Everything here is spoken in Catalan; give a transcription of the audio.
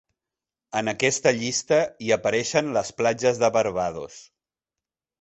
En aquesta llista hi apareixen les platges de Barbados.